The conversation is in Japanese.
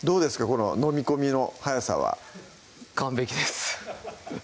こののみ込みの早さは完璧です